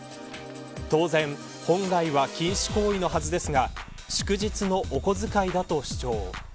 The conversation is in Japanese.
当然、本来は禁止行為のはずですが祝日のお小遣いだと主張。